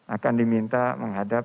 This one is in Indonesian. akan diminta menghadap